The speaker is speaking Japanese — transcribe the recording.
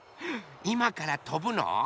いまからとぶの？